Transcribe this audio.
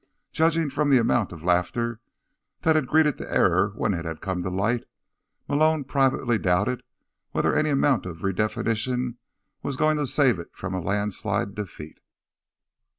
Judging from the amount of laughter that had greeted the error when it had come to light, Malone privately doubted whether any amount of redefinition was going to save it from a landslide defeat.